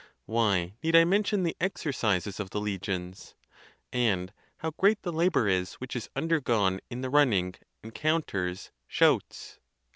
Why need I mention the exercises of the legions? And how great the labor is which is undergone in the running, en counters, shouts!